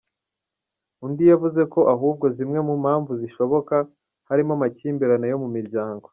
Undi yavuze ko ahubwo zimwe mu mpamvu zishoboka harimo amakimbirane yo mu miryango.